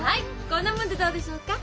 こんなもんでどうでしょうか？